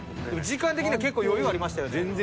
時間的には結構余裕ありましたよね。